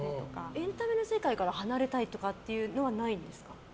エンタメの世界から離れたいとかはないんですか？